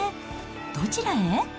どちらへ？